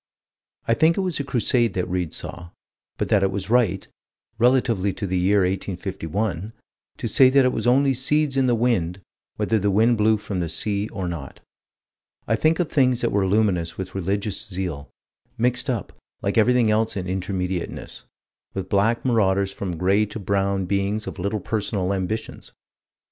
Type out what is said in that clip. I think it was a Crusade that Read saw but that it was right, relatively to the year 1851, to say that it was only seeds in the wind, whether the wind blew from the sea or not. I think of things that were luminous with religious zeal, mixed up, like everything else in Intermediateness, with black marauders and from gray to brown beings of little personal ambitions.